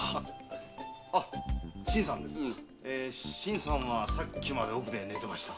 あ新さんですかえさっきまで奥で寝てました。